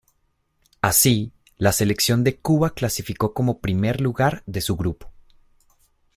Así, la selección de Cuba clasificó como primer lugar de su grupo.